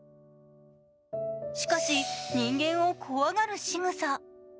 しかし、人間を怖がるしぐさ。